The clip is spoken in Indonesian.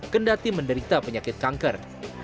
kendati menderita penyakit kanker